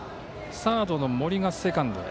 サードの森がセカンドへ。